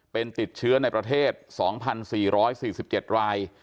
เป็นติดเชื้อในประเทศ๒๔๔๗ราย